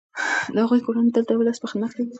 د هغوی کورنۍ تل د ولس په خدمت کي وه.